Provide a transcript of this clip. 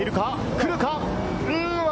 来るか？